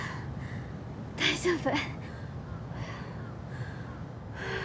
大丈夫。